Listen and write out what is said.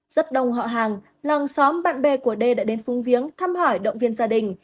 rất đông họ hàng làng xóm bạn bè của d đã đến phung viếng thăm hỏi động viên gia đình